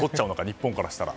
日本からしたら。